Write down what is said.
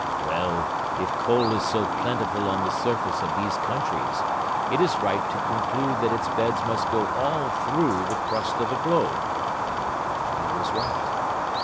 Well, if coal is so plentiful on the surface of these countries, it is right to conclude that its beds must go all through the crust of the globe." He was right.